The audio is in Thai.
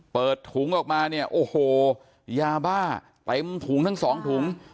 เปิดถุงออกมาเนี่ยโอ้โหยาบ้าเต็มถุงทั้งสองถุง